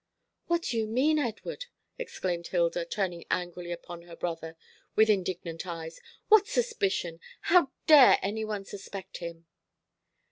"What do you mean, Edward?" exclaimed Hilda, turning angrily upon her brother, with indignant eyes. "What suspicion? How dare any one suspect him?"